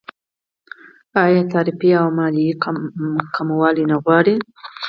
آیا تعرفې او مالیې کمول نه غواړي؟